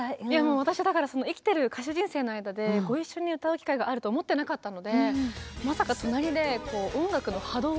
私だから生きてる歌手人生の間でご一緒に歌う機会があると思ってなかったので。